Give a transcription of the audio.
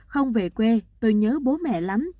không về quê tôi nhớ bố mẹ lắm